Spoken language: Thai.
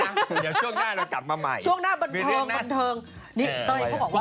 เดี๋ยวช่วงหน้าเรากลับมาใหม่ช่วงหน้าบันเทิงบันเทิงนี่เต้ยเขาบอกว่า